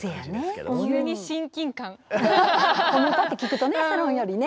ホムパって聞くとねサロンよりね。